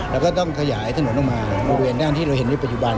แล้วก็ต้องขยายถนนออกมาบริเวณด้านที่เราเห็นในปัจจุบัน